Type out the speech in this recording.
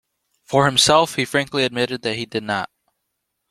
For himself, he frankly admitted that he did not.